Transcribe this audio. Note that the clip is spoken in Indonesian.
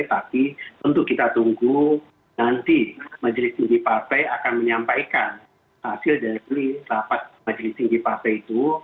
tapi untuk kita tunggu nanti majelis tinggi partai akan menyampaikan hasil dari rapat majelis tinggi partai itu